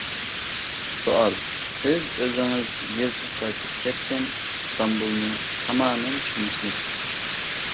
سوئال: سىز ئۆزىڭىز يىلتىز تارتىپ كەتكەن ئىستانبۇلنى تامامەن چۈشىنىسىز.